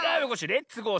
「レッツゴー！